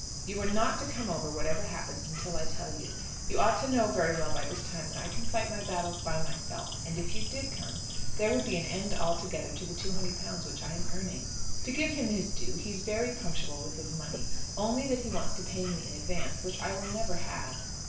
You are not to come over, whatever happens, until I tell you. You ought to know very well by this time that I can fight my battles by myself; and if you did come, there would be an end altogether to the £200 which I am earning. To give him his due, he's very punctual with his money, only that he wants to pay me in advance, which I will never have.